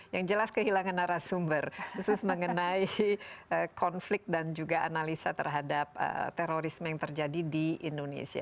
yang jelas kehilangan arah sumber khusus mengenai konflik dan juga analisa terhadap terorisme yang terjadi di indonesia